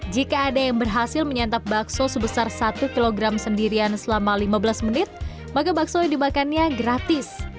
jika ada yang berhasil menyantap bakso sebesar satu kg sendirian selama lima belas menit maka bakso yang dimakannya gratis